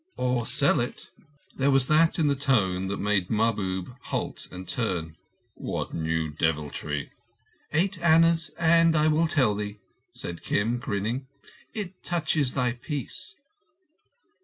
"Or sell it?" There was that in the tone that made Mahbub halt and turn. "What new devilry?" "Eight annas, and I will tell," said Kim, grinning. "It touches thy peace."